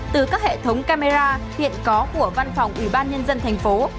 từ các hệ thống camera hiện có của văn phòng ủy ban nhân dân thành phố